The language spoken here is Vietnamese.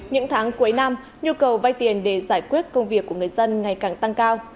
những tháng cuối năm nhu cầu vay tiền để giải quyết công việc của người dân ngày càng tăng cao